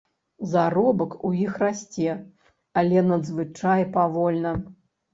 Заробак у іх расце, але надзвычай павольна.